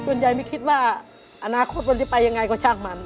ยายไม่คิดว่าอนาคตวันนี้ไปยังไงก็ช่างมัน